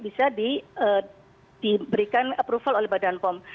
bisa diberikan approval oleh badan pom